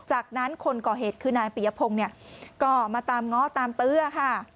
จากนั้นคนก่อเหตุคือนายปียพงศ์เนี่ยก็มาตามง้อตามเตื้อค่ะ